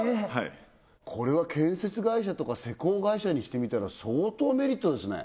これは建設会社とか施工会社にしてみたら相当メリットですね